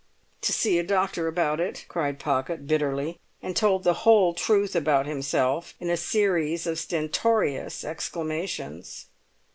"To see a doctor about it!" cried Pocket bitterly, and told the whole truth about himself in a series of stertorous exclamations.